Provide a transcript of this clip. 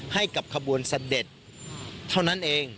ให้กับขบวนเสด็จเท่านั้นเอง